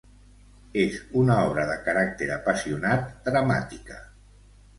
És una obra de caràcter apassionat, dramàtica.